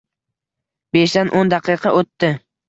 Beshdan o’n daqiqa o’tdi.